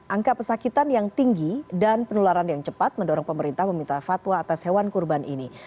angka pesakitan yang tinggi dan penularan yang cepat mendorong pemerintah meminta fatwa atas hewan kurban ini